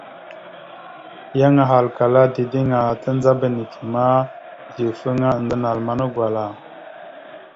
Yan ahalkala dideŋ a, tandzaba neke ma, dawəfaŋa adzaya naləmana gwala.